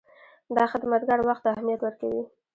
دا خدمتګر وخت ته اهمیت ورکوي.